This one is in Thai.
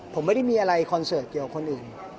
ผมไม่ได้มีอะไรคอนเสิร์ตเกี่ยวกับคนอื่น